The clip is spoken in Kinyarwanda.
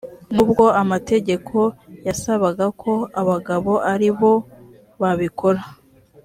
n’ubwo amategeko yasabaga ko abagabo ari bo babikora